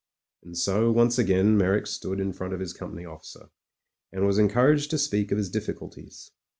And so once again Meyrick stood in front of his company officer, and was encouraged to speak of his difficulties.